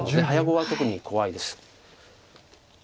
早碁は特に怖いです。